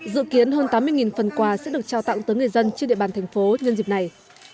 dự kiến hơn tám mươi phần quà sẽ được trao tặng tới người dân trên địa bàn thành phố nhân dịp này